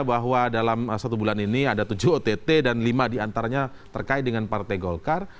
bahwa dalam satu bulan ini ada tujuh ott dan lima diantaranya terkait dengan partai golkar